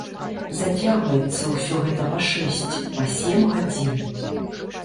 Зацягваецца ўсё гэта па шэсць, па сем гадзін.